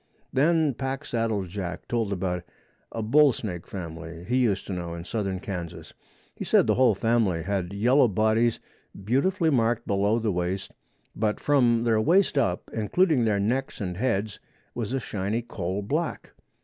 Then Packsaddle Jack told about a bull snake family he used to know in southern Kansas. He said the whole family had yellow bodies beautifully marked below the waist, but from their waist up, including their necks and heads, was a shiny coal black.